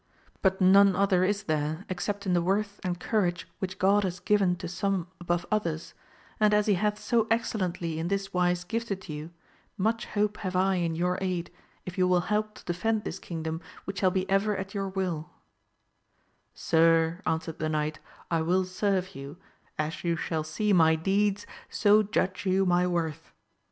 But none other is there except in the worth and courage which God has given to some above others, and as he hath so excellently in this wise gifted you, much hope have I in your aid, if you will help to defend this kingdom which shall be ever at your wilL Sir, answered the knight, I will serve you; as you shall see my deeds so judge you my worth.